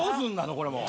これもう。